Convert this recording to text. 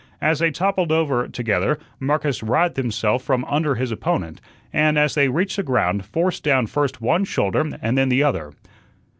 As they toppled over together, Marcus writhed himself from under his opponent, and, as they reached the ground, forced down first one shoulder and then the other.